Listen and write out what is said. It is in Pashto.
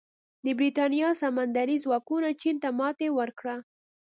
د برېټانیا سمندري ځواکونو چین ته ماتې ورکړه.